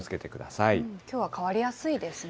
きょうは変わりやすいですね。